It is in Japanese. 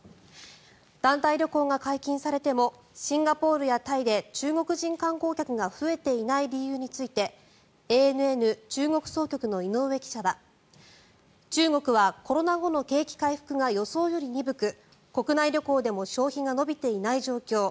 団体旅行が解禁されてもシンガポールやタイで中国人観光客が増えていない理由についてＡＮＮ中国総局の井上記者は中国はコロナ後の景気回復が予想より鈍く、国内旅行でも消費が伸びていない状況